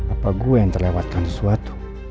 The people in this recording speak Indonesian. apa gua yang terlewatkan sesuatu